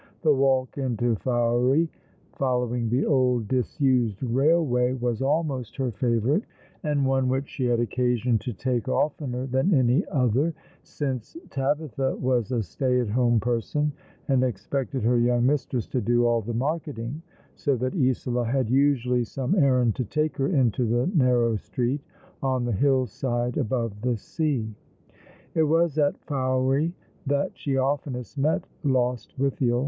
The walk into Fowey, following the old disused railway, was almost her favourite, and one which Bhe had occasion to take oftener than any other, since Tabitha was a stay at home person, and expected her young mistress to do all the marketing, so that Isola had usually D 34 ^^l along the River. some eiTand to take her into the narrow street on the hill side above the sea. It was at Fowey that she oftenest met Lostwithiel.